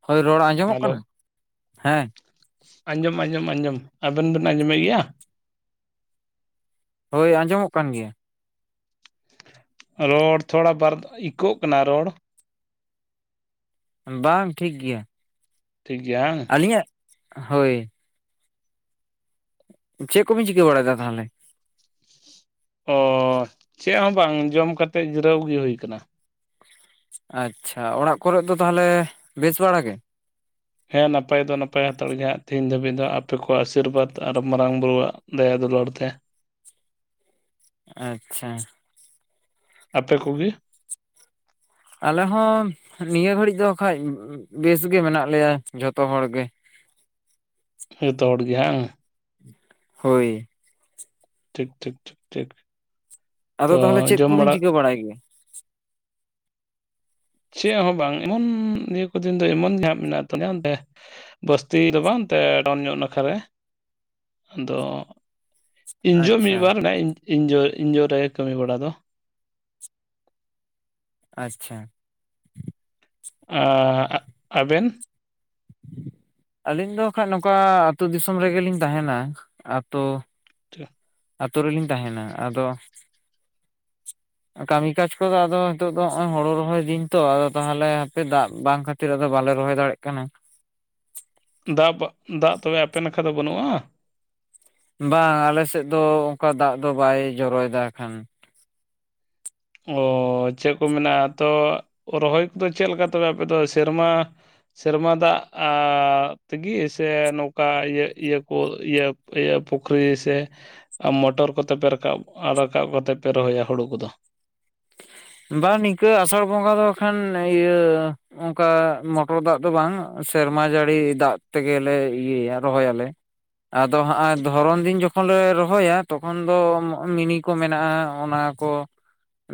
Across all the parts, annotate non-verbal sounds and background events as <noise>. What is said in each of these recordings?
ᱦᱳᱭ ᱨᱚᱲ ᱟᱸᱡᱚᱢᱚᱜ ᱦᱮᱞᱳ ᱠᱟᱱᱟ ᱦᱮᱸ, ᱟᱸᱡᱚᱢ ᱟᱸᱚᱢ ᱟᱸᱡᱚᱢ ᱟᱵᱮᱱ ᱵᱮᱱ ᱟᱸᱡᱚᱢᱮᱫ ᱜᱮᱭᱟ? ᱦᱳᱭ ᱟᱸᱡᱚᱢᱚᱜ ᱠᱟᱱ ᱜᱮᱭᱟ, ᱨᱚᱲ ᱛᱷᱚᱲᱟ ᱵᱟᱨ ᱫᱷᱟ ᱤᱠᱳᱜ ᱠᱟᱱᱟ ᱨᱚᱲ, ᱵᱟᱝ ᱴᱷᱤᱠ ᱜᱮᱭᱟ, ᱴᱷᱤᱠ ᱜᱮᱭᱟ ᱦᱟᱝ, ᱟᱹᱞᱤᱧᱟᱜ ᱦᱳᱭ, ᱪᱮᱫ ᱠᱚᱵᱤᱱ ᱪᱤᱠᱟᱹ ᱵᱟᱲᱟᱭ ᱮᱫᱟ ᱛᱟᱦᱚᱞᱮ? ᱚᱻ ᱪᱮᱫ ᱦᱚᱸ ᱵᱟᱝ ᱡᱚᱢ ᱠᱟᱛᱮᱫ ᱡᱤᱨᱟᱹᱣ ᱜᱮ ᱦᱩᱭ ᱠᱟᱱᱟ, ᱟᱪᱪᱷᱟ ᱚᱲᱟᱜ ᱠᱚᱨᱮ ᱫᱚ ᱛᱟᱦᱚᱞᱮ ᱵᱮᱥ ᱵᱟᱲᱟ ᱜᱮ? ᱦᱮᱸ ᱱᱟᱯᱟᱭ ᱫᱚ ᱱᱟᱯᱟᱭ ᱦᱟᱛᱟᱲ ᱜᱮᱭᱟ ᱦᱟᱸᱜ ᱛᱮᱦᱤᱧ ᱫᱷᱟᱹᱵᱤᱡ ᱫᱚ ᱟᱯᱮ ᱠᱚᱣᱟᱜ ᱟᱥᱤᱨᱵᱟᱫᱽ ᱟᱨ ᱢᱟᱨᱟᱝ ᱵᱩᱨᱩᱣᱟᱜ ᱫᱟᱭᱟ ᱫᱩᱞᱟᱹᱲ ᱛᱮ, ᱟᱪᱪᱷᱟ ᱟᱯᱮ ᱠᱚᱜᱮ? ᱟᱞᱮ ᱦᱚᱸ ᱱᱤᱭᱟᱹ ᱜᱷᱟᱹᱲᱤᱡ ᱫᱚ ᱦᱟᱸᱜ ᱠᱷᱟᱡᱽ ᱵᱮᱥ ᱜᱮ ᱢᱮᱱᱟᱜ ᱞᱮᱭᱟ ᱡᱷᱚᱛᱚ ᱦᱚᱲ ᱜᱮ, ᱡᱷᱚᱛᱚ ᱦᱚᱲ ᱜᱮ ᱦᱟᱝ, ᱦᱳᱭ, ᱴᱷᱤᱠ ᱴᱷᱤᱠ ᱴᱷᱤᱠ ᱴᱷᱤᱠ, ᱟᱫᱚ ᱛᱚ ᱛᱟᱦᱚᱞᱮ ᱪᱮᱫ ᱡᱚᱢ ᱠᱚᱵᱤᱱ ᱵᱟᱲᱟ ᱪᱤᱠᱟᱹ ᱵᱟᱲᱟᱭ ᱜᱮᱭᱟ? ᱪᱮᱫ ᱦᱚᱸ ᱵᱟᱝ ᱮᱢᱚᱱ ᱱᱤᱭᱟᱹ ᱠᱚ ᱫᱤᱱ ᱫᱚ ᱮᱢᱚᱱ ᱡᱟᱦᱟᱸ ᱢᱮᱱᱟᱜ ᱛᱟᱞᱮᱭᱟ ᱵᱟᱹᱥᱛᱤ ᱫᱚ ᱵᱟᱝ ᱮᱱᱛᱮ ᱰᱚᱱ ᱧᱚᱜ ᱱᱟᱠᱷᱟᱨᱮ ᱟᱫᱚ ᱤᱧ ᱡᱚ ᱢᱤᱫ ᱟᱪᱪᱷᱟ ᱵᱟᱨ ᱤᱧ ᱡᱳ ᱤᱧ ᱡᱳ ᱨᱮ ᱠᱟᱹᱢᱤ ᱵᱟᱲᱟ ᱫᱚ, ᱟᱪᱪᱷᱟ, ᱟ ᱟᱵᱮᱱ <unintelligible> ᱟᱹᱞᱤᱧ ᱫᱚ ᱱᱟᱠᱷᱟᱡᱽ ᱱᱚᱝᱠᱟ ᱟᱹᱛᱩ ᱫᱤᱥᱚᱢ ᱨᱮᱜᱮ ᱞᱤᱧ ᱛᱟᱦᱮᱱᱟ ᱟᱛᱳ <unintelligible> ᱟᱛᱩ ᱨᱮᱞᱤᱧ ᱛᱟᱦᱮᱱᱟ ᱟᱫᱚ ᱠᱟᱹᱢᱤ ᱠᱟᱡ ᱠᱚᱫᱚ ᱟᱫᱚ ᱱᱤᱛᱚᱜ ᱫᱚ ᱱᱚᱜ-ᱚᱭ ᱦᱳᱲᱳ ᱨᱚᱦᱚᱭ ᱫᱤᱱ ᱛᱚ ᱟᱫᱚ ᱛᱟᱦᱚᱞᱮ ᱦᱟᱯᱮ ᱫᱟᱜ ᱵᱟᱝ ᱠᱷᱟ <unintelligible> ᱫᱚ ᱵᱟᱞᱮ ᱨᱚᱦᱚᱭ ᱫᱟᱲᱮᱭᱟᱜ ᱠᱟᱱᱟ ᱫᱟᱜ ᱫᱟᱜ ᱛᱚᱵᱮ ᱟᱯᱮ ᱱᱟᱠᱷᱟ ᱫᱚ ᱵᱟᱹᱱᱩᱜᱼᱟ ᱵᱟᱝ ᱟᱞᱮᱥᱮᱫ ᱫᱚ ᱚᱝᱠᱟ ᱫᱟᱜ ᱫᱚ ᱵᱟᱭ ᱡᱚᱨᱚ ᱭᱮᱫᱟ ᱦᱟᱸᱜ ᱟᱠᱷᱟᱱ, ᱚ ᱪᱮᱫ ᱠᱚ ᱢᱮᱱᱟ ᱛᱚ ᱨᱚᱦᱚᱭ ᱠᱚᱫᱚ ᱪᱮᱫ ᱞᱮᱠᱟ ᱛᱚᱵᱮ ᱟᱯᱮ ᱫᱚ ᱥᱮᱨᱢᱟ ᱥᱮᱨᱢᱟ ᱫᱟᱜ ᱟ ᱛᱮᱜᱮ ᱥᱮ ᱱᱚᱝᱠᱟ ᱤᱭᱟᱹ ᱤᱭᱟᱹ ᱠᱚ ᱤᱭᱟᱹ ᱤᱭᱟᱹ ᱯᱩᱠᱷᱨᱤ ᱥᱮ ᱢᱚᱴᱚᱨ ᱠᱚᱛᱮ ᱯᱮ ᱨᱟᱠᱟᱵᱽ ᱨᱟᱠᱟᱵᱽ ᱠᱟᱛᱮ ᱯᱮ ᱨᱚᱦᱚᱭᱟ ᱦᱩᱲᱩ ᱠᱚᱫᱚ, ᱵᱟᱝ ᱱᱤᱝᱠᱟᱹ ᱟᱥᱟᱲ ᱵᱚᱸᱜᱟ ᱫᱚ ᱠᱷᱟᱱ ᱤᱭᱟᱹ ᱚᱱᱠᱟ ᱢᱚᱴᱚᱨ ᱫᱟᱜ ᱫᱚ ᱵᱟᱝ ᱥᱮᱨᱢᱟ ᱡᱟᱹᱲᱤ ᱫᱟᱜ ᱛᱮᱜᱮᱞᱮ ᱤᱭᱟᱹᱭᱟ ᱨᱚᱦᱚᱭ ᱟᱞᱮ, ᱟᱫᱚ ᱦᱟᱸᱜ ᱫᱷᱚᱨᱚᱱ ᱫᱤᱱ ᱡᱚᱠᱷᱚᱱ ᱞᱮ ᱨᱚᱦᱚᱭᱟ ᱛᱚᱠᱷᱚᱱ ᱫᱚ ᱢᱤᱱᱤ ᱠᱚ ᱢᱮᱱᱟᱜᱼᱟ ᱚᱱᱟ ᱠᱚ,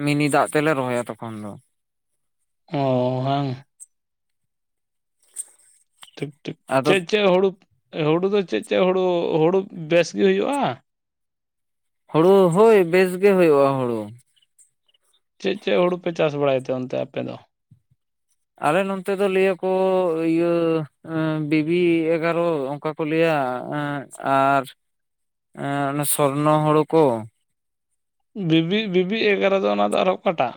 ᱢᱤᱱᱤ ᱫᱟᱜ ᱛᱮᱞᱮ ᱨᱚᱦᱚᱭᱟ ᱛᱚᱠᱷᱚᱱ ᱫᱚ ᱚ ᱵᱟᱝ ᱴᱷᱤᱠ ᱴᱷᱤᱠ ᱟᱫᱚ ᱪᱮᱫ ᱪᱮᱫ ᱦᱩᱲᱩ ᱦᱩᱲᱩ ᱫᱚ ᱪᱮᱫ ᱪᱮᱫ ᱦᱩᱲᱩ ᱦᱩᱲᱩ ᱵᱮᱥ ᱜᱮ ᱦᱩᱭᱩᱜᱼᱟ ᱦᱩᱲᱩ ᱦᱳᱭ ᱵᱮᱥ ᱜᱮ ᱦᱩᱭᱩᱜᱼᱟ ᱦᱩᱲᱩ ᱪᱮᱫ ᱪᱮᱫ ᱦᱩᱲᱩ ᱯᱮ ᱪᱟᱥ ᱵᱟᱲᱟᱭ ᱛᱮ ᱚᱱᱛᱮ ᱟᱯᱮ ᱫᱚ ᱟᱞᱮ ᱱᱚᱱᱛᱮ ᱫᱚ ᱞᱟᱹᱭᱟᱠᱚ ᱤᱭᱟᱹ ᱵᱤᱵᱤ ᱮᱜᱟᱨᱚ ᱚᱱᱠᱟ ᱯᱩᱞᱮᱭᱟ ᱟᱨ ᱚᱱᱟ ᱥᱚᱨᱱᱚ ᱦᱩᱲᱩ ᱠᱚ ᱵᱤᱵᱤ ᱵᱤᱵᱤ ᱮᱜᱟᱨᱚ ᱫᱚ ᱚᱱᱟ ᱫᱚ ᱟᱨᱦᱚ ᱠᱟᱴᱟᱜ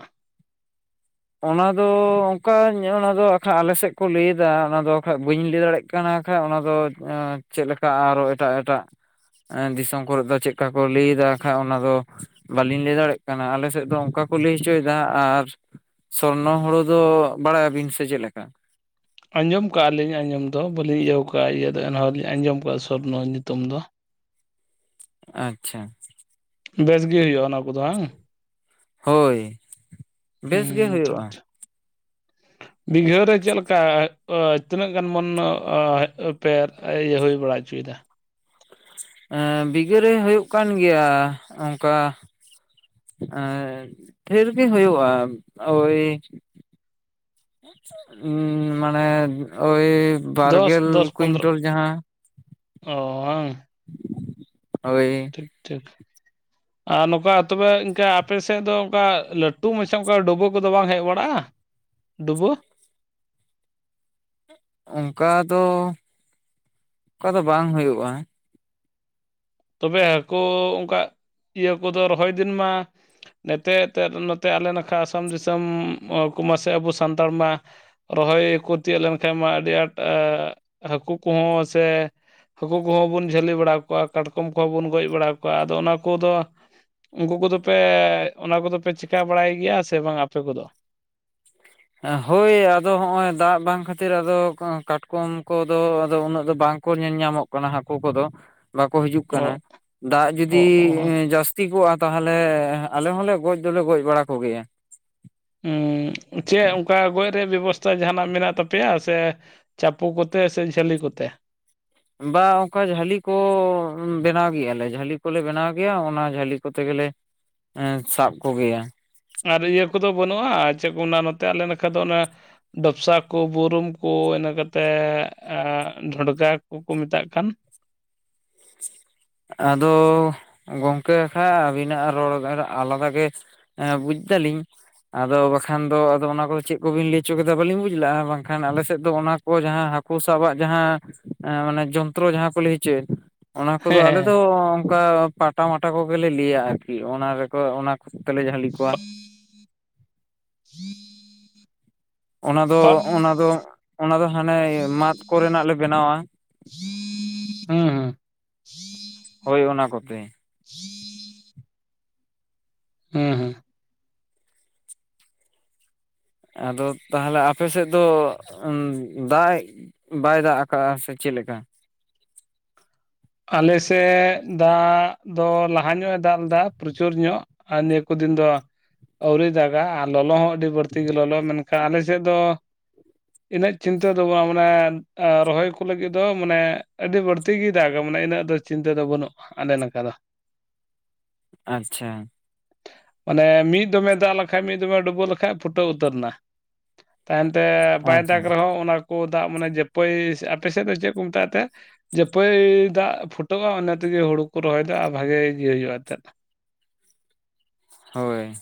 ᱚᱱᱟᱫᱚ ᱚᱱᱠᱟᱧ ᱚᱱᱟ ᱫᱚᱠᱷᱟᱡ ᱟᱞᱮ ᱥᱮᱫ ᱠᱚ ᱞᱟᱹᱭᱮᱫ ᱫᱟ ᱚᱱᱟ ᱫᱚ ᱵᱟᱠᱷᱟᱡ ᱵᱟᱹᱧ ᱞᱟᱹᱭ ᱫᱟᱲᱮᱭᱟᱜ ᱠᱟᱱᱟ ᱠᱟᱱᱟ ᱠᱷᱟᱱᱡ ᱚᱱᱟ ᱫᱚ ᱪᱮᱫ ᱞᱮᱠᱟ ᱟᱨᱚ ᱮᱴᱟᱜ ᱮᱴᱟᱜ ᱫᱤᱥᱚᱢ ᱠᱚᱨᱮ ᱫᱚ ᱪᱮᱫᱠᱟ ᱠᱚ ᱞᱟᱹᱭᱫᱟ ᱠᱷᱟᱡ ᱚᱱᱟ ᱫᱚ ᱵᱟᱹᱞᱤᱧ ᱞᱟᱹᱭ ᱫᱟᱲᱮᱭᱟᱜ ᱠᱟᱱᱟ ᱟᱞᱮ ᱥᱮᱫ ᱫᱚ ᱚᱱᱠᱟ ᱠᱚ ᱞᱟᱹᱭ ᱦᱚᱪᱚᱭᱮᱫᱟ ᱟᱨ ᱥᱚᱨᱱᱚ ᱦᱩᱲᱩ ᱫᱚ ᱵᱟᱲᱟᱭᱟᱵᱤᱱ ᱥᱮ ᱪᱮᱫ ᱞᱮᱠᱟ? ᱟᱸᱡᱚᱢ ᱠᱟᱜᱼᱟ ᱞᱤᱧ ᱟᱸᱡᱚᱢ ᱫᱚ ᱵᱟᱹᱞᱤᱧ ᱤᱭᱟᱹ ᱠᱟᱜᱼᱟ ᱤᱭᱟᱹ ᱫᱚ ᱮᱱᱦᱚᱸ ᱞᱤᱧ ᱟᱸᱡᱚᱢ ᱠᱫᱼᱟ ᱥᱚᱨᱱᱚ ᱧᱩᱛᱩᱢ ᱫᱚ ᱟᱪᱪᱷᱟ ᱵᱮᱥ ᱜᱮ ᱦᱩᱭᱩᱜᱼᱟ ᱚᱱᱟ ᱠᱚᱫᱚ ᱵᱟᱝᱟ ᱦᱳᱭ ᱵᱮᱥ ᱜᱮ ᱦᱩᱸ ᱦᱩᱭᱩᱜᱼᱟ ᱵᱤᱜᱷᱟᱹᱨ ᱨᱮ ᱪᱮᱫᱠᱟ ᱛᱤᱱᱟᱹᱜ ᱜᱟᱱ ᱵᱚᱱ ᱯᱮ ᱤᱭᱟᱹ ᱦᱩᱭ ᱵᱟᱲᱟ ᱦᱚᱪᱚᱭᱮᱫᱟ ᱵᱤᱜᱷᱟᱹᱨᱮ ᱦᱩᱭᱩᱜ ᱠᱟᱱ ᱜᱮᱭᱟ ᱚᱱᱠᱟ ᱟᱨ ᱰᱷᱮᱨ ᱜᱮ ᱦᱩᱭᱩᱜᱼᱟ ᱳᱭ ᱢᱟᱱᱮ ᱳᱭ ᱫᱚᱥ ᱵᱟᱨᱜᱮᱞ ᱠᱩᱭᱤᱱᱴᱚᱞ ᱡᱟᱦᱟᱸ ᱚᱻ ᱦᱳᱭ ᱴᱷᱤᱠ ᱴᱷᱤᱠ ᱦ ᱟᱨ ᱱᱚᱝᱠᱟ ᱛᱚᱵᱮ ᱤᱱᱠᱟ ᱟᱯᱮᱥᱮᱫ ᱫᱚ ᱚᱱᱠᱟ ᱞᱟᱹᱴᱩ ᱢᱟᱪᱷᱟ ᱚᱱᱠᱟ ᱰᱩᱵᱟᱹ ᱠᱚᱫᱚ ᱵᱟᱝ ᱦᱮᱡ ᱵᱟᱲᱟᱜᱼᱟ ᱫᱩᱵᱚ ᱚᱱᱠᱟ ᱫᱚ ᱚᱱᱠᱟ ᱫᱚ ᱵᱟᱝ ᱦᱩᱭᱩᱜᱼᱟ ᱛᱚᱵᱮ ᱦᱟᱹᱠᱩ ᱚᱱᱠᱟ ᱤᱭᱟᱹ ᱠᱚᱫᱚ ᱨᱚᱦᱚᱭ ᱫᱤᱱ ᱢᱟ ᱱᱚᱛᱮᱱ ᱱᱚᱛᱮ ᱟᱞᱮ ᱱᱟᱠᱷᱟ ᱟᱥᱟᱢ ᱫᱤᱥᱚᱢ ᱠᱚ ᱢᱟᱥᱮ ᱟᱵᱚ ᱥᱟᱱᱛᱟᱲ ᱢᱟ ᱨᱚᱦᱚᱭ ᱠᱚ ᱛᱤᱭᱳᱜ ᱞᱮᱱᱠᱷᱟᱡ ᱢᱟ ᱟᱹᱰᱤ ᱟᱸᱴ ᱦᱟᱹᱠᱩ ᱠᱚᱦᱚᱸ ᱥᱮ ᱦᱟᱹᱠᱩ ᱠᱚᱦᱚᱸ ᱵᱚᱱ ᱡᱷᱟᱹᱞᱤ ᱵᱟᱲᱟ ᱠᱚᱣᱟ ᱠᱟᱴᱠᱚᱢ ᱠᱚᱦᱚᱸ ᱵᱚᱱ ᱜᱚᱡ ᱵᱟᱲᱟ ᱠᱚᱣᱟ ᱟᱫᱚ ᱚᱱᱟ ᱠᱚᱫᱚ ᱩᱱᱠᱩ ᱠᱚᱫᱚ ᱯᱮ ᱚᱱᱟ ᱠᱚᱫᱚ ᱯᱮ ᱪᱮᱠᱟ ᱵᱟᱲᱟᱭ ᱜᱮᱭᱟ ᱥᱮ ᱵᱟᱝ ᱟᱯᱮ ᱠᱚᱫᱚ ᱦᱳᱭ ᱟᱫᱚ ᱦᱚᱸᱜ ᱚᱭ ᱫᱟᱜ ᱵᱟᱝ ᱠᱷᱟᱹᱛᱤᱨ ᱟᱫᱚ ᱠᱟᱴᱠᱚᱢ ᱠᱚᱫᱚ ᱩᱱᱟᱹᱜ ᱫᱚ ᱵᱟᱝ ᱠᱚ ᱧᱮᱞ ᱧᱟᱢᱚᱜ ᱠᱟᱱᱟ ᱦᱟᱹᱠᱩ ᱠᱚᱫᱚ ᱵᱟᱠᱚ ᱦᱤᱡᱩᱜ ᱚ ᱠᱟᱱᱟ ᱫᱟᱜ ᱡᱩᱫᱤ ᱚ ᱚ ᱡᱟᱹᱥᱛᱤ ᱞᱟᱹᱠᱛᱤ ᱠᱚᱜᱼᱟ ᱛᱟᱦᱚᱞᱮ ᱟᱞᱮ ᱦᱚᱸᱞᱮ ᱜᱚᱡ ᱫᱚᱞᱮ ᱜᱚᱡ ᱵᱟᱲᱟ ᱠᱚᱜᱮᱭᱟ ᱪᱮᱫ ᱚᱱᱠᱟ ᱜᱚᱡ ᱨᱮᱭᱟᱜ ᱵᱮᱵᱚᱥᱛᱷᱟ ᱡᱟᱦᱟᱱᱟᱜ ᱢᱮᱱᱟᱜ ᱛᱟᱯᱮᱭᱟ ᱥᱮ ᱪᱟᱯᱚ ᱠᱚᱛᱮ ᱥᱮ ᱡᱷᱟᱹᱞᱤ ᱠᱚᱛᱮ ᱵᱟ ᱚᱱᱠᱟ ᱡᱷᱟᱹᱞᱤ ᱠᱚ ᱵᱮᱱᱟᱣ ᱜᱮᱭᱟ ᱞᱮ, ᱡᱷᱟᱹᱞᱤ ᱠᱚᱞᱮ ᱵᱮᱱᱟᱣ ᱜᱮᱭᱟ ᱚᱱᱟ ᱡᱷᱟᱹᱞᱤ ᱠᱚᱛᱮ ᱜᱮᱞᱮ ᱮᱸ ᱥᱟᱵ ᱠᱚᱜᱮᱭᱟ᱾ ᱟᱨ ᱤᱭᱟᱹ ᱠᱚᱫᱚ ᱵᱟᱹᱱᱩᱜᱼᱟ ᱪᱮᱫ ᱠᱚ ᱱᱚᱛᱮ ᱟᱞᱮ ᱞᱮᱠᱟᱱ ᱫᱚ ᱚᱱᱮ ᱰᱚᱯᱥᱟ ᱠᱚ ᱵᱩᱨᱩᱢ ᱠᱚ ᱤᱱᱟᱹ ᱠᱟᱛᱮ ᱰᱷᱚᱸᱰᱜᱟ ᱠᱚᱠᱚ ᱢᱮᱛᱟᱜ ᱠᱟᱱ ᱟᱫᱚ ᱜᱚᱝᱠᱮ ᱠᱷᱟᱡ ᱟᱹᱵᱤᱱᱟᱜ ᱨᱚᱲ ᱟᱞᱟᱫᱟ ᱜᱮ ᱦᱮᱸ ᱵᱩᱡᱫᱟᱞᱤᱧ ᱟᱫᱚ ᱵᱟᱠᱷᱟᱱ ᱫᱚ ᱟᱫᱚ ᱚᱱᱟ ᱠᱚᱫᱚ ᱪᱮᱫ ᱠᱚᱵᱤᱱ ᱞᱟᱹᱭ ᱚᱪᱚ ᱠᱮᱫᱟ ᱵᱟᱹᱞᱤᱧ ᱵᱩᱡᱽ ᱞᱮᱼᱟ ᱵᱟᱝᱠᱷᱟᱱ ᱟᱞᱮ ᱥᱮᱫ ᱫᱚ ᱚᱱᱟ ᱡᱟᱦᱟᱸ ᱦᱟᱠᱩ ᱥᱟᱵᱟᱜ ᱡᱟᱦᱟᱸ ᱡᱚᱱᱛᱨᱚ ᱡᱟᱦᱟᱸ ᱠᱚ ᱞᱟᱹᱭ ᱦᱚ ᱪᱮᱫ ᱚᱱᱟ ᱠᱚᱫᱚ ᱦᱮᱸ ᱦᱮᱸ ᱟᱞᱮᱚ ᱚᱱᱠᱟ ᱯᱟᱴᱟ ᱢᱟᱴᱟ ᱠᱚᱜᱮᱞᱮ ᱞᱟᱹᱭᱟ ᱟᱨᱠᱤ ᱚᱱᱟ ᱨᱮᱠᱚ ᱚᱱᱟ ᱛᱮᱞᱮ ᱡᱷᱟᱹᱞᱤ ᱠᱚᱣᱟ ᱡ ᱚᱱᱟ ᱫᱚ ᱚᱱᱟ ᱫᱚ ᱚᱱᱟ ᱫᱚ ᱦᱟᱱᱮ ᱢᱟᱛ ᱠᱚᱨᱮᱱᱟᱜ ᱞᱮ ᱵᱮᱱᱟᱣᱟ ᱦᱮᱸ ᱦᱩᱸ ᱦᱩᱸ᱾ ᱦᱳᱭ ᱚᱱᱟ ᱠᱚᱛᱮ᱾ ᱦᱩᱸ ᱦᱩᱸ ᱟᱫᱚ ᱛᱟᱦᱚᱞᱮ ᱟᱯᱮ ᱥᱮᱫ ᱫᱚ, ᱫᱟᱜ ᱵᱟᱭ ᱫᱟᱜ ᱟᱠᱟᱫᱼᱟ ᱥᱮ ᱪᱮᱫ ᱞᱮᱠᱟ ᱟᱞᱮᱥᱮᱫ ᱫᱟᱜ ᱫᱚ ᱞᱟᱦᱟ ᱧᱚᱜ ᱮ ᱫᱟᱜ ᱞᱮᱫᱟ ᱯᱨᱚᱪᱩᱨ ᱧᱚᱜ, ᱟᱨ ᱱᱤᱭᱟᱹ ᱠᱚ ᱫᱤᱱ ᱫᱚ ᱟᱹᱣᱨᱤᱤᱭ ᱫᱟᱜᱟ ᱟᱨ ᱞᱚᱞᱚ ᱦᱚᱸ ᱟᱹᱰᱤ ᱵᱟᱹᱲᱛᱤ ᱜᱮ ᱞᱚᱞᱚ ᱢᱮᱱ ᱟᱞᱮ ᱥᱮᱫ ᱫᱚ ᱤᱱᱟᱹᱜ ᱪᱤᱱᱛᱟᱹ ᱫᱚ ᱵᱟᱝ, ᱢᱟᱱᱮ ᱨᱚᱦᱚᱭ ᱠᱚ ᱞᱟᱹᱜᱤᱫ ᱫᱚ ᱢᱟᱱᱮ ᱟᱹᱰᱤ ᱵᱟᱹᱲᱛᱤ ᱜᱮ ᱫᱟᱜ ᱮ ᱢᱟᱱᱮ ᱤᱱᱟᱹᱜ ᱫᱚ ᱪᱤᱱᱛᱟᱹ ᱫᱚ ᱵᱟᱹᱱᱩᱜ ᱟᱞᱮ ᱱᱚᱝᱠᱟ ᱫᱚ ᱟᱪᱪᱷᱟ᱾ ᱢᱟᱱᱮ ᱢᱤᱫ ᱫᱚᱢᱮ ᱫᱟᱜ ᱞᱮᱠᱷᱟᱡ ᱢᱤᱫ ᱫᱚᱢᱮ ᱰᱩᱵᱟᱹᱣ ᱞᱮᱠᱷᱟᱡ ᱯᱷᱩᱴᱟᱹᱣ ᱩᱛᱟᱹᱨ ᱮᱱᱟ ᱛᱟᱭᱚᱢᱛᱮ ᱵᱟᱭ ᱟᱪᱪᱷᱟ ᱫᱟᱜ ᱨᱮᱦᱚᱸ ᱚᱱᱟ ᱠᱚ ᱫᱟᱜ ᱢᱟᱱᱮ ᱡᱟᱹᱯᱟᱹᱭ ᱟᱯᱮᱥᱮᱫ ᱫᱚ ᱪᱮᱫ ᱠᱚ ᱢᱮᱛᱟᱜ ᱛᱮ ᱡᱟᱹᱯᱟᱹᱭ ᱫᱟᱜ ᱯᱷᱩᱴᱟᱹᱜᱼᱟ ᱚᱱᱟ ᱛᱮᱜᱮ ᱦᱩᱲᱩ ᱠᱚ ᱨᱚᱦᱚᱭᱮᱫᱟ ᱟᱨ ᱵᱷᱟᱜᱮ ᱜᱮ ᱦᱩᱭᱩᱜᱭᱼᱟ ᱮᱱᱛᱮᱫ ᱦᱳᱭ᱾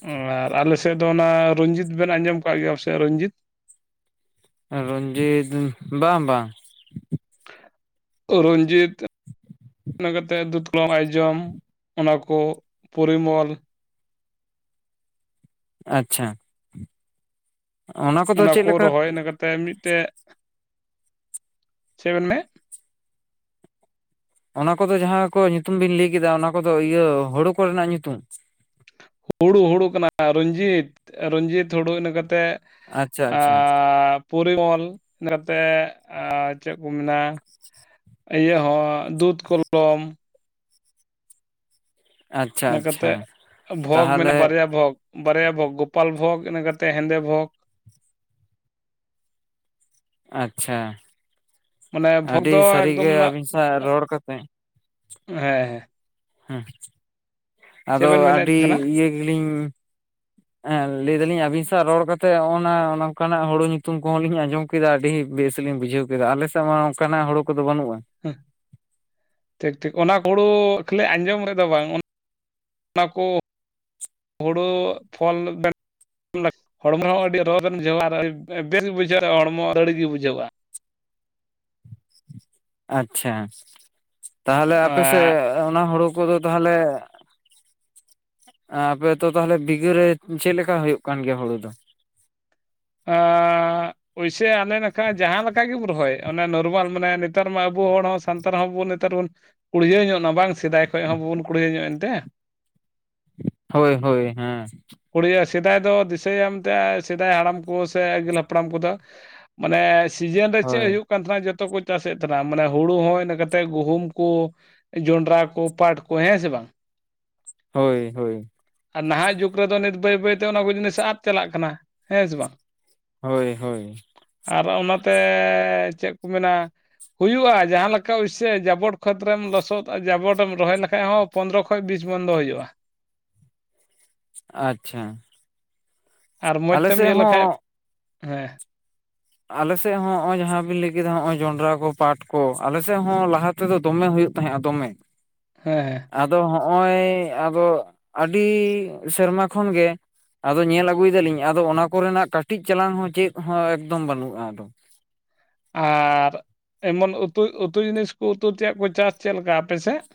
ᱟᱨ ᱟᱞᱮᱮᱥᱮᱫ ᱫᱚ ᱚᱱᱟ ᱨᱚᱡᱤᱛ ᱵᱮᱱ ᱟᱸᱡᱚᱢ ᱠᱟᱜ ᱜᱮᱭᱟ ᱯ ᱥᱮ ᱨᱚᱧᱡᱤᱛ ᱨᱚᱡᱤᱛ ᱵᱟᱝ ᱵᱟᱝ᱾ ᱨᱚᱱᱡᱤᱛ, ᱤᱱᱟᱹ ᱠᱟᱛᱮᱫ ᱫᱩᱛ ᱠᱚᱡᱚᱢ ᱟᱭ ᱡᱚᱢ ᱚᱱᱟ ᱠᱚ ᱯᱚᱨᱤᱢᱚᱞ ᱟᱪᱪᱷᱟ ᱚᱱᱟ ᱠᱚᱫᱚ ᱪᱮᱫ ᱞᱮᱠᱟ? ᱯᱮ ᱢᱤᱫᱴᱮ ᱪᱮᱫ ᱵᱮᱱ ᱢᱮ ᱚᱱᱟ ᱠᱚᱫᱚ ᱡᱟᱦᱟᱸ ᱠᱚ ᱧᱩᱛᱩᱢ ᱵᱤᱱ ᱞᱟᱹᱭ ᱠᱮᱫᱟ, ᱚᱱᱟ ᱠᱚᱫᱚ ᱤᱭᱟᱹ ᱦᱩᱲᱩ ᱠᱚᱨᱮᱱᱟᱜ ᱧᱩᱛᱩᱢ? ᱦᱩᱲᱩ ᱦᱩᱲᱩ ᱠᱟᱱᱟ ᱨᱚᱧᱡᱤᱛ ᱨᱚᱡᱤᱛ ᱦᱩᱲᱩ ᱤᱱᱟᱹ ᱠᱟᱛᱮᱫ᱾ ᱟᱪᱪᱷᱟ ᱟᱪᱪᱷᱟ ᱟᱨ ᱯᱚᱨᱤᱢᱚᱞ ᱤᱹ ᱠᱟᱛᱮ ᱪᱮᱫ ᱠᱚ ᱢᱮᱱᱟ ᱤᱭᱟᱹ ᱦᱚᱸ ᱫᱩᱫᱷ ᱠᱚᱞᱚᱢ ᱟᱪᱪᱷᱟ ᱤᱱᱟᱹ ᱟᱪᱪᱷᱟ ᱠᱟᱛᱮᱜ ᱵᱷᱳᱜᱽ ᱛᱟᱦᱚᱞᱮ ᱢᱮᱱᱟᱜᱼᱟ ᱵᱟᱨᱭᱟ ᱵᱷᱳᱜᱽ ᱵᱟᱨᱭᱟ ᱵᱷᱳᱜᱽ ᱜᱳᱯᱟᱞ ᱵᱷᱳᱜ ᱤᱱᱟᱹ ᱠᱟ ᱠᱟᱛᱮᱮᱫ ᱦᱮᱸᱫᱮ ᱵᱷᱳᱜᱽ ᱟᱪᱪᱷᱟ ᱢᱟᱱᱮ ᱵᱷᱳᱜᱽ ᱟᱹᱰᱤ ᱫᱚ ᱮᱠᱫᱚᱢ ᱥᱟᱹᱨᱤᱜᱮ ᱚᱱᱟ ᱟᱹᱵᱤᱱ ᱥᱟᱶ ᱨᱚᱲ ᱠᱟᱛᱮ ᱦᱮᱸ ᱦᱮᱸ᱾ ᱦᱩᱸ ᱪᱮᱫ ᱟᱫᱚ ᱵᱮᱱ ᱢᱮᱱᱮᱫ ᱟᱹᱰᱤ ᱛᱟᱦᱮᱱᱟ ᱤᱭᱟᱹ ᱜᱮᱞᱤᱧ ᱦᱮᱸ ᱞᱟᱹᱭ ᱮ ᱫᱟᱞᱤᱧ ᱟᱹᱵᱤᱱ ᱥᱟᱶ ᱨᱚᱲ ᱠᱟᱛᱮᱜ ᱱᱚᱜᱼ ᱱᱟ ᱱᱚᱝᱠᱟᱱᱟᱜ ᱦᱩᱲᱩ ᱧᱩᱛᱩᱢ ᱠᱚᱦᱚᱸ ᱞᱤᱧ ᱟᱸᱡᱚᱢ ᱠᱮᱫᱟ ᱟᱹᱰᱤ ᱵᱮᱥᱞᱤᱧ ᱵᱩᱡᱷᱟᱹᱣ ᱠᱮᱫᱟ ᱟᱞᱮ ᱥᱮᱫ ᱢᱟ ᱚᱱᱠᱟᱱᱟᱜ ᱦᱩ ᱠᱚᱫᱚ ᱵᱟᱹᱱᱩᱜᱼᱟ᱾ ᱦᱮᱸ᱾ ᱴᱷᱤᱠ ᱴᱷᱤᱠ ᱚᱱᱟ ᱦᱩᱲᱩ ᱠᱷᱟᱹᱞᱤ ᱟᱸᱡᱚᱢ ᱨᱮᱫᱚ ᱵᱟᱝ, ᱚᱱᱟ ᱠᱚ ᱦᱩᱲᱩ ᱯᱷᱚᱞ ᱵᱮ <inaudible> ᱦᱚᱲᱢᱚ ᱦᱚᱸ ᱟᱹᱰᱤ ᱨᱚᱛᱢᱩᱷᱟᱹᱣᱟ ᱟᱨ ᱟᱹᱰᱤ ᱵᱮᱥ ᱜᱮ ᱵᱩᱡᱷᱟᱹᱣᱟ ᱦᱚᱲᱢᱚ ᱟᱹᱲ ᱜᱮ ᱵᱩᱡᱷᱟᱹᱣᱟ ᱟᱪᱪᱷᱟ ᱛᱟᱦᱚᱞᱮ ᱟᱯᱮ ᱥᱮᱫ ᱚᱱᱟ ᱦᱩᱲᱩ ᱠᱚᱫᱚ ᱛᱟᱦᱚᱞᱮ ᱟᱯᱮᱛᱚ ᱛᱟᱦᱚᱞᱮ ᱵᱤᱜᱷᱟᱹᱨᱮ ᱪᱮᱫ ᱞᱮᱠᱟ ᱦᱩᱭᱩᱜ ᱠᱟᱱ ᱜᱮᱭᱟ ᱦᱩᱲᱩ ᱫᱚ ᱮᱸᱻᱜ ᱾ ᱯᱚᱭᱥᱟᱹ ᱟᱞᱮ ᱱᱟᱠᱷᱟᱱ ᱡᱟᱦᱟᱸ ᱞᱮᱠᱟ ᱜᱮᱢ ᱨᱚᱦᱚᱭ ᱚᱱᱮ ᱱᱚᱨᱢᱟᱞ ᱢᱟᱱᱮ ᱱᱮᱛᱟᱨ ᱢᱟ ᱟᱵᱚ ᱦᱚᱲ ᱦᱚᱸ ᱥᱟᱱᱛᱟᱲ ᱦᱚᱸᱵᱚᱱ ᱱᱮᱛᱟᱨ ᱵᱚᱱ ᱠᱩᱲᱦᱟᱹᱭ ᱧᱚᱜ ᱱᱟ ᱵᱟᱝ ᱥᱮᱫᱟᱭ ᱠᱷᱚᱱ ᱦᱚᱸ ᱵᱟᱵᱚᱱ ᱠᱩᱲᱦᱟᱹ ᱧᱚᱜᱼᱟ ᱮᱱᱛᱮ ᱦᱳᱭ ᱦᱳᱭ ᱦᱮᱸ ᱠᱩᱲᱭᱟᱹ ᱥᱮᱫᱟᱭ ᱫᱚ ᱫᱤᱥᱟᱹᱭᱟᱢᱛᱮ ᱥᱮᱫᱟᱭ ᱦᱟᱲᱟᱢ ᱠᱚ ᱥᱮ ᱟᱹᱜᱤᱞ ᱦᱟᱯᱲᱟᱢ ᱠᱚᱫᱚ ᱢᱟᱱᱮ ᱥᱤᱡᱮᱱ ᱨᱮ ᱪᱮᱫ ᱦᱳᱭ ᱦᱩᱭᱩᱜ ᱛᱟᱦᱮᱱᱟ ᱡᱚᱛᱚ ᱠᱚ ᱪᱟᱥᱮᱫ ᱛᱟᱦᱮᱱᱟ ᱢᱟᱱᱮ ᱦᱩᱲᱩ ᱦᱚᱸ ᱤᱱᱟᱹ ᱠᱟᱛᱮᱫ ᱜᱩᱦᱩᱢ ᱠᱚ ᱡᱚᱱᱰᱨᱟ ᱠᱚ ᱯᱟᱴ ᱠᱚ ᱦᱮᱸ ᱥᱮ ᱵᱟᱝ ᱦᱳᱭ ᱦᱳᱭ᱾ ᱟᱨ ᱱᱟᱦᱟᱜ ᱡᱩᱜᱽ ᱨᱮᱫᱚ ᱱᱤᱛ ᱵᱟᱹᱭ ᱵᱟᱹᱭᱛᱮ ᱚᱱᱟ ᱠᱚ ᱡᱤᱱᱤᱥ ᱟᱫ ᱪᱟᱞᱟᱜ ᱠᱟᱱᱟ ᱦᱮᱸ ᱥᱮ ᱵᱟᱝ? ᱦᱳᱭ ᱻᱦᱳᱭ ᱺ ᱟᱨ ᱚᱱᱟᱛᱮ ᱪᱮᱫ ᱠᱚ ᱢᱮᱱᱟ᱾ ᱦᱩᱭᱩᱜᱼᱟ ᱡᱟᱦᱟᱸ ᱞᱮᱠᱟ ᱚᱭᱥᱮ ᱡᱟᱵᱚᱴ ᱠᱷᱚᱛ ᱨᱮᱢ ᱞᱚᱥᱚᱫ ᱡᱟᱵᱚᱴᱮᱢ ᱨᱚᱦᱚᱭ ᱞᱮᱠᱷᱟᱡ ᱦᱚᱸ ᱾ ᱯᱚᱸᱱᱫᱽᱨᱚ ᱠᱷᱚᱡ ᱵᱤᱥ ᱵᱚᱱᱫᱚ ᱦᱳᱭᱳᱜᱼᱟ ᱾ ᱟ-ᱪ-ᱪᱷᱟ ᱾ ᱟᱨ ᱢᱚᱸᱡᱽ ᱛᱮᱢ ᱧᱮᱞ ᱞᱮᱠᱟᱡ, ᱦᱚᱸ ᱦᱮᱸ ᱾ ᱟᱞᱮ ᱥᱮᱫ ᱦᱚᱸ ᱱᱚᱜᱼᱚᱭ ᱡᱟᱦᱟᱸ ᱵᱤᱱ ᱞᱟᱹᱭ ᱠᱮᱫᱟ ᱱᱚᱜᱼᱚᱭ ᱡᱚᱱᱰᱨᱟ ᱠᱚ ᱯᱟᱴ ᱠᱚ ᱟᱞᱮ ᱥᱮᱫ ᱦᱚᱸ ᱞᱟᱦᱟ ᱹᱹᱹ ᱛᱮᱫᱚ ᱫᱚᱢᱮ ᱦᱳᱭᱳᱜ ᱛᱟᱦᱮᱸᱜᱼᱟ ᱫᱚᱢᱮ ᱾ ᱦᱮᱸᱻ ᱾ ᱟᱫᱚ ᱦᱚᱸᱜᱼᱚᱸᱭ ᱟᱨᱚ ᱟᱹᱰᱤ ᱥᱮᱨᱢᱟ ᱠᱷᱚᱱ ᱜᱮᱹᱹᱹ ᱟᱫᱚ ᱧᱮᱞ ᱟᱹᱜᱩᱭ ᱫᱟᱞᱤᱧ ᱟᱫᱚ ᱚᱱᱟ ᱠᱚ ᱨᱮᱱᱟᱜ ᱠᱟᱹᱴᱤᱡ ᱪᱟᱞᱟᱝ ᱦᱚᱸ ᱪᱮᱫ ᱦᱚᱸ ᱮᱠᱫᱚᱢ ᱵᱟᱹᱱᱩᱜᱼᱟ ᱟᱫᱚ ᱾ ᱟᱻᱨ ᱮᱢᱚᱱ ᱩᱛᱩ -ᱩᱛᱩ ᱡᱤᱱᱤᱥ ᱠᱚ ᱩᱛᱩ ᱛᱮᱭᱟᱜ ᱠᱚ ᱪᱟᱥ ᱪᱮᱫ ᱞᱮᱠᱟ ᱟᱯᱮ ᱥᱮᱫ?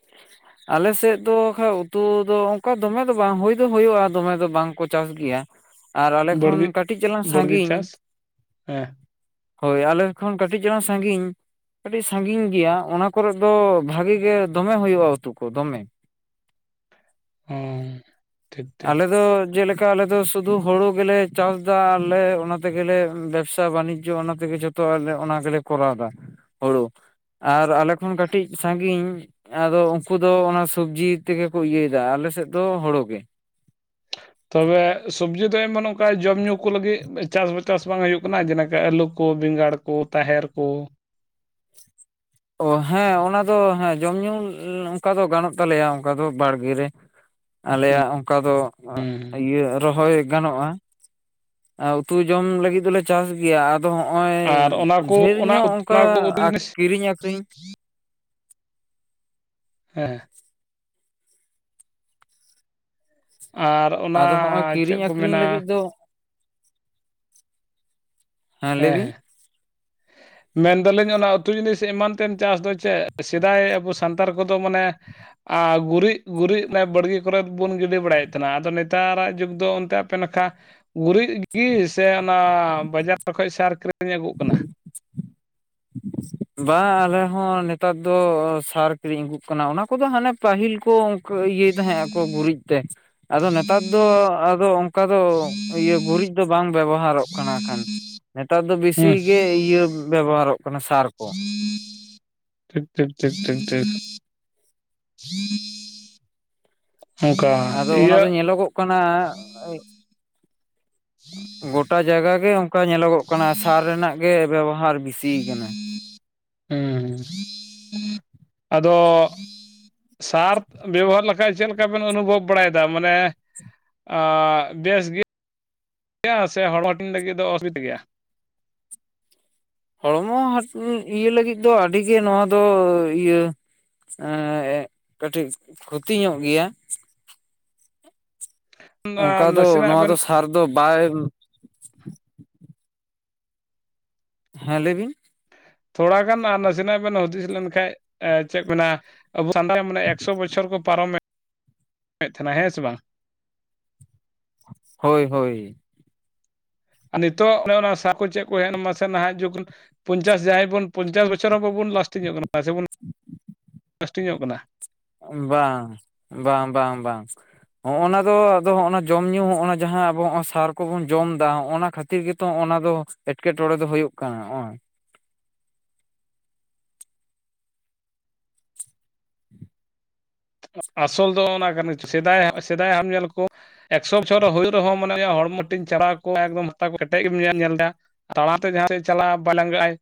ᱰᱮᱹ-ᱥ-ᱥᱟ ᱾ ᱟᱞᱮᱥᱮᱫ ᱫᱚ ᱠᱷᱟᱡ ᱩᱛᱩ ᱫᱚ ᱚᱱᱠᱟ ᱫᱚᱢᱮ ᱫᱚ ᱵᱟᱝ ᱦᱳᱭ ᱫᱚ ᱦᱳᱭᱳᱜᱼᱟ ᱫᱚᱢᱮ ᱫᱚ ᱵᱟᱝᱠᱚ ᱪᱟᱥ ᱜᱮᱭᱟ ᱾ ᱟᱨ ᱟᱞᱮ ᱠᱷᱚᱱ ᱵᱟᱲᱜᱮ ᱠᱟᱹᱴᱤᱡ ᱪᱟᱞᱟᱝ ᱵᱟᱲᱜᱮ ᱥᱟᱺᱜᱤᱧ ᱹᱹᱹ ᱪᱟᱥ ᱦᱮᱸ ᱦᱳᱭ, ᱟᱞᱮ ᱠᱷᱚᱱ ᱠᱟᱹᱴᱤᱡ ᱪᱟᱞᱟᱝ ᱥᱟᱺᱜᱤᱧᱹᱹᱹ ᱟᱹᱰᱤ ᱥᱟᱺᱜᱤᱧ ᱜᱮᱭᱟ ᱚᱱᱟ ᱠᱚᱨᱮ ᱫᱚ ᱵᱷᱟᱜᱮ ᱜᱮ ᱫᱚᱢᱮ ᱦᱳᱭᱳᱜᱼᱟ ᱩᱛᱩ ᱠᱚ ᱫᱚᱢᱮ ᱾ ᱟᱸᱻᱢ ᱾ ᱟᱞᱮ ᱫᱚ ᱡᱮᱹᱞᱮᱹᱠ ᱹᱹᱹ ᱟᱞᱮ ᱫᱚ ᱥᱩᱫᱷᱩ ᱦᱳᱲᱳ ᱜᱮᱞᱮ ᱪᱟᱥ ᱮᱫᱟ ᱟᱨᱞᱮ ᱚᱱᱟ ᱛᱮᱜᱮᱞᱮ ᱵᱮᱵᱽᱥᱟ ᱵᱟᱱᱤᱡᱽᱡᱚ ᱚᱱᱟ ᱛᱮᱜᱮ ᱡᱷᱚᱛᱹᱹᱹ ᱛᱚ, ᱟᱞᱮ ᱚᱱᱟ ᱜᱮᱞᱮ ᱠᱚᱨᱟᱣ ᱮᱫᱟ ᱦᱳᱲᱳ, ᱟᱨ ᱟᱞᱮ ᱠᱷᱚᱱ ᱠᱟᱹᱴᱤᱡ ᱥᱟᱺᱜᱤᱧ ᱹᱹᱹ ᱟᱫᱚ ᱩᱱᱠᱩ ᱫᱚ ᱚᱱᱟ ᱥᱚᱵᱡᱤ ᱛᱮᱜᱮ ᱠᱚ ᱤᱭᱟᱹᱭ ᱮᱫᱟ ᱟᱞᱮ ᱥᱮᱫ ᱫᱚ ᱦᱳᱲᱳ ᱜᱮ ᱾ ᱛᱚᱵᱮ, ᱥᱚᱵᱡᱤ ᱫᱚ ᱮᱢ ᱵᱟᱹᱱᱩᱜ ᱹᱹᱹ ᱟ ᱡᱚᱢ ᱧᱩ ᱠᱚ ᱞᱟᱹᱜᱤᱫ ᱪᱟᱥ ᱵᱟ ᱪᱟᱥ ᱵᱟᱝ ᱦᱩᱭᱩᱜ ᱠᱟᱱᱟ ᱡᱮᱞᱮᱠᱟ ᱟᱹᱞᱩ ᱠᱚ ᱵᱮᱸᱜᱟᱲ ᱠᱚ ᱛᱟᱦᱮᱨ ᱠᱚ᱾ ᱚ ᱦᱮᱸ ᱚᱱᱟ ᱫᱚ ᱦᱮᱸ ᱡᱚᱢ ᱧᱩ ᱚᱱᱠᱟ ᱫᱚ ᱜᱟᱱᱚᱜ ᱛᱟᱞᱮ ᱭᱟ ᱚᱱᱠᱟ ᱫᱚ ᱵᱟᱲ ᱜᱮ ᱨᱮ, ᱟᱞᱮᱭᱟᱜ ᱚᱝᱠᱟ ᱫᱚ ᱦᱩᱸ ᱤᱭᱟᱹ ᱨᱚᱦᱚᱭ ᱜᱟᱱᱚᱜᱼᱟ, ᱟᱨ ᱩᱛᱩ ᱡᱚᱢ ᱞᱟᱹᱜᱤᱫ ᱫᱚ ᱞᱮ ᱪᱟᱥ ᱜᱮᱭᱟ ᱟᱨ, ᱟᱫᱚ ᱦᱚᱜᱼᱚᱭ ᱟᱨ ᱚᱱᱟ ᱠᱚ ᱰᱷᱮᱨ ᱚᱱᱟ ᱧᱚᱜ ᱚᱱᱟ ᱚᱝᱠᱟ ᱠᱚ ᱩᱛᱩ ᱡᱤᱱᱤᱥ ᱠᱤᱨᱤᱧ ᱟᱹᱠᱷᱨᱤᱧ, ᱦᱮᱸᱮᱸ ᱟᱨ ᱚᱱᱟ ᱟᱫᱚ ᱦᱚᱸᱜᱼᱚᱭ ᱪᱮᱫ ᱠᱤᱨᱤᱧ ᱠᱚ ᱟᱹᱠᱷᱨᱤᱧ ᱢᱮᱱᱟ, ᱞᱟᱹᱜᱤᱫ ᱫᱚ ᱦᱮᱸ ᱞᱟᱹᱭ ᱵᱤᱱ ᱾ ᱢᱮᱱᱫᱟᱞᱤᱧ ᱚᱱᱟ ᱩᱛᱩ ᱡᱤᱱᱤᱥ ᱮᱢᱟᱱ ᱛᱮᱢ ᱪᱟᱥ ᱫᱚ ᱪᱮᱫ ᱥᱮᱫᱟᱭ ᱟᱵᱚ ᱥᱟᱱᱛᱟᱲ ᱠᱚᱫᱚ ᱢᱟᱱᱮ, ᱟᱨ ᱜᱩᱨᱤᱡ ᱜᱩᱨᱤᱡ ᱵᱟᱲ ᱜᱮ ᱠᱚᱨᱮᱮᱫ ᱵᱚᱱ ᱜᱤᱰᱤ ᱵᱟᱲᱟᱭᱮᱫ ᱛᱟᱦᱮ ᱱᱟ ᱟᱫᱚ ᱱᱮ ᱛᱟᱨᱟᱜ ᱡᱩᱜᱽ ᱫᱚ ᱚᱱᱛᱮ ᱟᱯᱮ ᱱᱟᱠᱷᱟ ᱜᱩᱨᱤᱡ ᱜᱤ ᱥᱮ ᱚᱱᱟ ᱵᱟᱡᱟᱨ ᱠᱷᱚᱡ ᱥᱟᱨ ᱠᱤᱨᱤᱧ ᱟᱹᱜᱩᱜ ᱠᱟᱱᱟ? ᱵᱟ ᱟᱞᱮ ᱦᱚᱸ ᱱᱮᱛᱟᱨ ᱫᱚ ᱥᱟᱨ ᱠᱤᱨᱤᱧ ᱟᱹᱜᱩᱜ ᱠᱟᱱᱟ ᱚᱱᱟ ᱠᱚᱫᱚ ᱦᱟᱱᱮ, ᱯᱟᱹᱦᱤᱞ ᱠᱚ ᱤᱭᱟᱹᱭ ᱛᱟᱦᱮᱸᱜ ᱟᱠᱚ ᱜᱩᱨᱤᱡ ᱛᱮ, ᱟᱫᱚ ᱱᱮᱛᱟᱨ ᱫᱚ ᱟᱫᱚ ᱚᱝᱠᱟ ᱫᱚ ᱤᱭᱟᱹ ᱜᱩᱨᱤᱡ ᱫᱚ ᱵᱟᱝ ᱵᱮᱵᱚᱦᱟᱨᱚᱜ ᱠᱟᱱᱟ ᱠᱷᱟᱱ, ᱱᱮᱛᱟᱨ ᱫᱚ ᱵᱮᱥᱤᱜ ᱦᱩᱸ ᱜᱮ ᱤᱭᱟᱹ ᱵᱮᱵᱚ ᱦᱟᱨᱚᱜ ᱠᱟᱱᱟ ᱥᱟᱨᱠ, ᱴᱷᱤᱠ ᱴᱷᱤᱠ ᱴᱷᱤᱠ ᱴᱷᱤᱠ ᱴᱷᱤᱠ, ᱚᱱᱠᱟ ᱟᱫᱚ ᱚᱱᱟ ᱫᱚ ᱤᱭᱟᱹ ᱧᱮᱞᱚ ᱜᱚᱜ, ᱠᱟᱱᱟ ᱜᱚᱴᱟ ᱡᱟᱜᱟ ᱜᱮ ᱠᱚ ᱧᱮᱞᱚᱜᱚᱜ ᱠᱟᱱᱟ ᱥᱟᱨ ᱨᱮᱱᱟᱜ ᱜᱮ ᱵᱮᱵᱚᱦᱟᱨ ᱵᱤᱥᱤᱭᱟ ᱠᱟᱱᱟ, ᱦᱩᱸ ᱟᱫᱚ ᱥᱟᱨᱛ ᱵᱮᱵᱚ ᱦᱟᱨ ᱞᱮᱠᱷᱟᱡ ᱪᱮᱫ ᱞᱮᱠᱟ ᱵᱮᱱ ᱚᱱᱩ ᱵᱷᱚᱵ ᱵᱟᱲᱟ ᱭᱮᱫᱟ ᱢᱟᱱᱮ, ᱵᱮᱥ ᱜᱮ ᱥᱮ ᱦᱚᱲ ᱦᱟᱹᱴᱤᱧ ᱞᱟᱹᱜᱤᱫ ᱫᱚ ᱚᱥᱩ ᱵᱤᱫᱟ ᱜᱮᱭᱟ? ᱦᱚᱲ ᱢᱚ ᱦᱟᱥ ᱤᱭᱟᱹ ᱞᱟᱹᱜᱤᱫ ᱫᱚ ᱟᱹᱰᱤ ᱜᱮᱮ ᱱᱚᱣᱟ ᱫᱚ ᱤᱭᱟᱹ, ᱮᱸ ᱠᱟᱹᱴᱤᱡ ᱠᱷᱚᱛᱤ ᱧᱚᱜ ᱜᱮᱭᱟ, ᱚᱝᱠᱟ ᱫᱚ ᱱᱟᱥᱮᱱᱟᱜ ᱱᱚᱣᱟ ᱵᱮᱱ ᱫᱚ ᱥᱟᱨ ᱫᱚ ᱵᱟᱭ, ᱦᱮᱸ ᱞᱟᱹᱭ ᱵᱤᱱ? ᱛᱷᱚᱲᱟ ᱜᱟᱱ ᱟᱨ ᱱᱟᱥᱮᱱᱟᱜ ᱵᱮᱱ ᱦᱩᱫᱤᱥ ᱞᱮᱱᱠᱟᱱᱡ ᱪᱮᱫ ᱵᱮᱱᱟ ᱟᱵᱚ ᱥᱟᱱᱛᱟᱲ ᱢᱟᱱᱮ ᱮᱠᱥᱚ ᱵᱚᱪᱷᱚᱨ ᱠᱚ ᱯᱟᱨᱚᱢᱮᱫ ᱛᱟᱦᱮᱱᱟ ᱦᱮᱸ ᱥᱮ ᱵᱟᱝ ᱦᱳᱭ ᱦᱳᱭ ᱟᱨ ᱱᱤᱛᱚᱜ ᱚᱱᱮ ᱚᱱᱟ ᱥᱟᱠᱩ ᱪᱮᱫ ᱠᱚ ᱦᱮᱡ ᱢᱟᱥᱮ ᱱᱟᱦᱟᱜ ᱡᱩᱜᱽ ᱯᱚᱧᱪᱟᱥ ᱡᱟᱦᱟᱸᱭ ᱵᱚᱱ ᱯᱚᱧᱪᱟᱥ ᱵᱚᱪᱷᱚᱨ ᱦᱚᱸ ᱵᱟᱵᱚᱱ ᱞᱟᱥᱴᱤᱝᱚᱜ ᱠᱟᱱᱟ ᱥᱮᱵᱚᱱ ᱞᱟᱥᱴᱤᱝᱚᱜ ᱠᱟᱱᱟ ᱵᱟᱝ ᱵᱟᱝ ᱵᱟᱝ ᱵᱟᱝ, ᱦᱚᱸᱜᱼ ᱚᱱᱟ ᱫᱚ ᱟᱫᱚᱜᱼ ᱚᱱᱟ ᱡᱚᱢ ᱧᱩ ᱦᱚᱸᱜ ᱡᱟᱦᱟᱸ ᱟᱵᱚ ᱥᱟᱨ ᱠᱚᱵᱚᱱ ᱡᱚᱢ ᱮᱫᱟ ᱚᱱᱟ ᱠᱷᱟᱹᱛᱤᱨ ᱠᱷᱟᱹᱛᱤᱨ ᱜᱮᱛᱚ ᱚᱱᱟ ᱫᱚ ᱮᱴᱠᱮᱴᱚᱚᱲᱮ ᱫᱚ ᱦᱩᱭᱩᱜ ᱠᱟᱱᱟ ᱱᱚᱜᱚᱭ᱾ ᱟᱥᱚᱞ ᱫᱚ ᱚᱱᱟ ᱠᱟᱱᱟ ᱥᱮᱫᱟᱭ ᱥᱮᱫᱟᱭ ᱦᱟᱢ ᱧᱮᱞ ᱠᱚ ᱮᱠᱥᱚ ᱵᱚᱷᱚᱨ ᱦᱩᱭᱩᱜ ᱨᱮᱦᱚᱸ ᱢᱟᱱᱮ ᱦᱚᱲᱢᱚᱴᱤᱧ ᱪᱟᱟᱣ ᱠᱚᱣᱟ ᱮᱠᱫᱚᱢ ᱦᱟᱨᱛᱟ ᱠᱚ ᱠᱮᱴᱮᱡ ᱜᱮᱢ ᱧᱮᱞ ᱧᱮᱞᱫᱟ᱾ ᱛᱟᱲᱟᱛᱮ ᱡᱟᱦᱟᱸ ᱥᱮ ᱪᱟᱞᱟᱜᱼᱟ ᱵᱟᱭ ᱞᱟᱸᱜᱟ ᱟᱭ